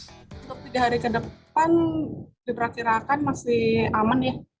untuk tiga hari ke depan diperkirakan masih aman ya